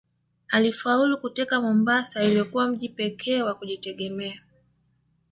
Alifaulu kuteka Mombasa iliyokuwa mji pekee wa kujitegemea